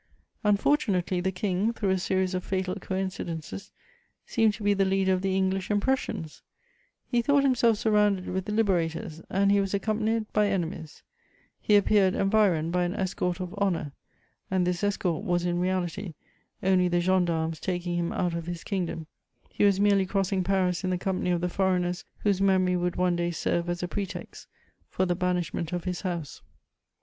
Unfortunately, the King, through a series of fatal coincidences, seemed to be the leader of the English and Prussians; he thought himself surrounded with liberators, and he was accompanied by enemies; he appeared environed by an escort of honour, and this escort was in reality only the gendarmes taking him out of his kingdom: he was merely crossing Paris in the company of the foreigners whose memory would one day serve as a pretext for the banishment of his House.